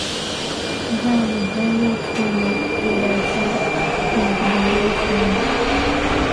Wahaya wamejaaliwa kuwa na akili ya darasani na ya kujiongeza sana